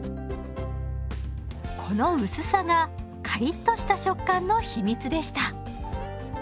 この薄さがカリッとした食感の秘密でした。